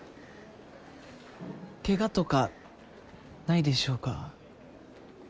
ケガとかないでしょうか？